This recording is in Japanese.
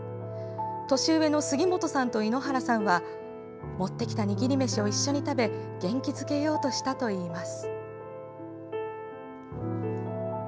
年上の杉本さんと猪原さんは持ってきた握り飯を一緒に食べ元気づけようとしたといいます。